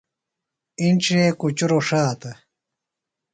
اِنڇے کُچروۡ ݜاتہ ۔